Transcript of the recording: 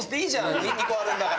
２個あるんだから。